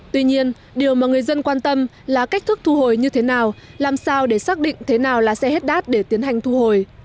tuy nhiên điều mà người dân quan tâm là cách thức thu hồi như thế nào làm sao để xác định thế nào là xe hết đát để tiến hành thu hồi